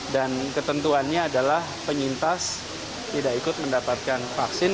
dan ketentuannya adalah penyintas tidak ikut mendapatkan vaksin